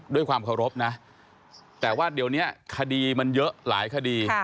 ด้วยความเคารพนะแต่ว่าเดี๋ยวนี้คดีมันเยอะหลายคดี